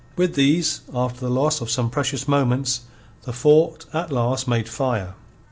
With these, after the loss of some precious moments, the fort at last made fire.